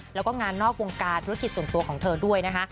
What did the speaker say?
แล้วก็งานนอกวงการธุรกิจส่วนตัวของเธอด้วยนะคะ